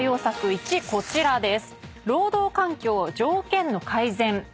１こちらです。